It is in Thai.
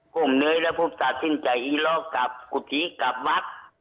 ผมเนยแล้วผมตัดสินใจอีล้อกลับกุฏิกลับวัด